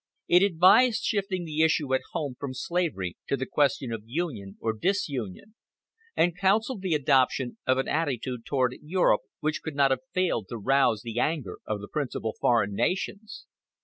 It advised shifting the issue at home from slavery to the question of Union or disunion; and counseled the adoption of an attitude toward Europe which could not have failed to rouse the anger of the principal foreign nations.